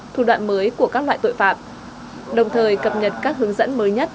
thủ đoạn mới của các loại tội phạm đồng thời cập nhật các hướng dẫn mới nhất